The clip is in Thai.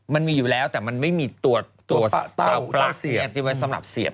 มันมีอยู่แล้วแต่มันไม่มีตัวเต้าราศีที่ไว้สำหรับเสียบ